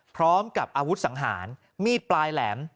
พร้อมกับอาวุธสังหารมีดปลายแหลม